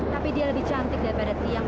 tapi dia lebih cantik daripada tiang